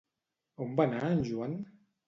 On va anar en Joan?